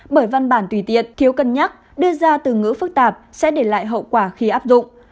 bởi văn bản tùy tiện thiếu cân nhắc đưa ra từ ngữ phức tạp sẽ để lại hậu quả khi áp dụng